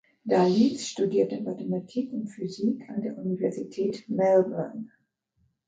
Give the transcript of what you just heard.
Dalitz studierte Mathematik und Physik an der Universität Melbourne.